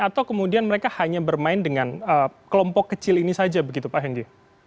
atau kemudian mereka hanya bermain dengan kelompok kecil ini saja begitu pak henggi